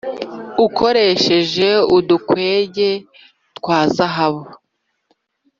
Ukoresheje udukwege twa zahabu